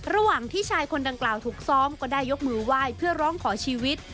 ระหว่างที่ชายคนดังกล่าวถูกซ้อมก็ได้ยกมือไหว้เพื่อร้องขอชีวิต